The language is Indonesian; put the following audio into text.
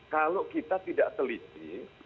kalau kita tidak teliti